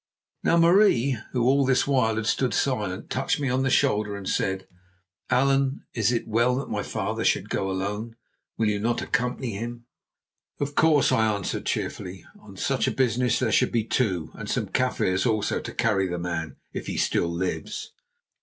Now Marie, who all this while had stood silent, touched me on the shoulder and said: "Allan, is it well that my father should go alone? Will you not accompany him?" "Of course," I answered cheerfully; "on such a business there should be two, and some Kaffirs also to carry the man, if he still lives."